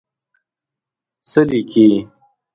څه لیکې.